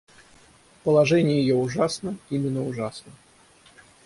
Положение ее ужасно, именно ужасно.